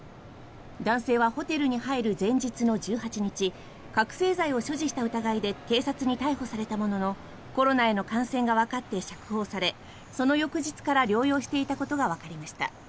男性はホテルに入る前日の１８日覚醒剤を所持した疑いで警察に逮捕されたもののコロナへの感染がわかって釈放されその翌日から療養していたことがわかりました。